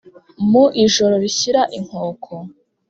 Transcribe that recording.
Mu ijoro rishyira inkoko